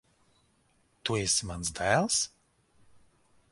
Tu esi mans dēls?